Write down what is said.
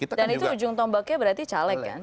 dan itu ujung tombaknya berarti caleg kan